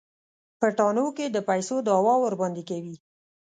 په تاڼو کې د پيسو دعوه ورباندې کوي.